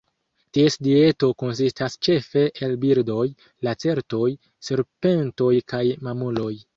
Ties dieto konsistas ĉefe el birdoj, lacertoj, serpentoj kaj mamuloj.